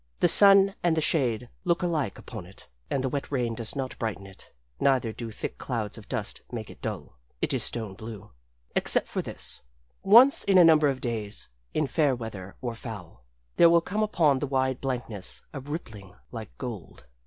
The sun and the shade look alike upon it; and the wet rain does not brighten it; neither do thick clouds of dust make it dull. It is stone blue. Except for this: Once in a number of days, in fair weather or foul, there will come upon the wide blankness a rippling like gold.